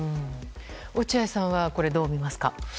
落合さんはどう見ますか？